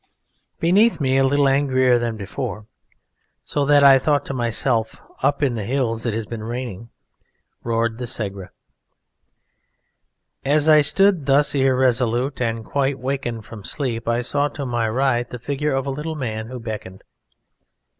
Beneath me a little angrier than before (so that I thought to myself, "Up in the hills it has been raining") roared the Segre. As I stood thus irresolute and quite awakened from sleep, I saw to my right the figure of a little man who beckoned.